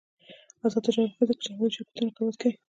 آزاد تجارت مهم دی ځکه چې هوايي شرکتونه رقابت کوي.